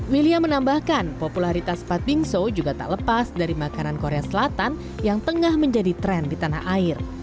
william menambahkan popularitas pat bingsu juga tak lepas dari makanan korea selatan yang tengah menjadi tren di tanah air